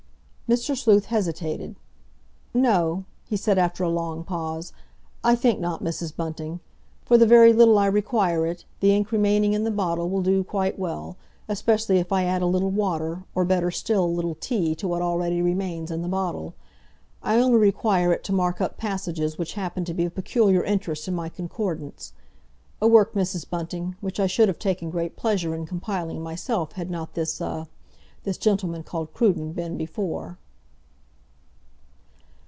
Mr. Sleuth hesitated. "No," he said, after a long pause, "I think not, Mrs. Bunting. For the very little I require it the ink remaining in the bottle will do quite well, especially if I add a little water, or better still, a little tea, to what already remains in the bottle. I only require it to mark up passages which happen to be of peculiar interest in my Concordance—a work, Mrs. Bunting, which I should have taken great pleasure in compiling myself had not this—ah—this gentleman called Cruden, been before."